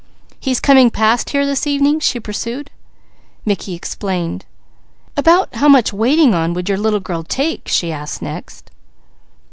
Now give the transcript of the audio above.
"He's coming past here this evening?" she pursued. Mickey explained. "About how much waiting on would your little girl take?" she asked next.